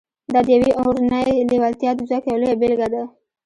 دا د يوې اورنۍ لېوالتیا د ځواک يوه لويه بېلګه ده.